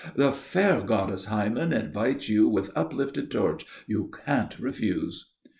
The fair goddess Hymen invites you with uplifted torch. You can't refuse."